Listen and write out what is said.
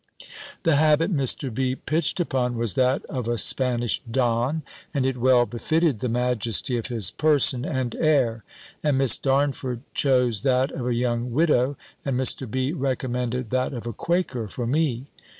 The habit Mr. B. pitched upon was that of a Spanish Don, and it well befitted the majesty of his person and air; and Miss Darnford chose that of a young Widow; and Mr. B. recommended that of a Quaker for me.